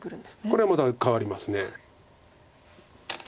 これはまた変わります。